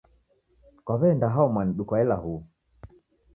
Kwawe'nda hao mwanidu kwaela huw'u?